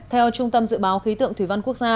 theo trung tâm dự báo khí tượng thủy văn quốc gia